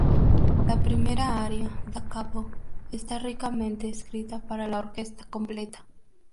La primera aria "da capo" está ricamente escrita para la orquesta completa.